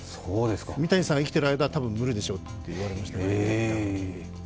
三谷さんが生きている間は多分無理でしょうと言われました。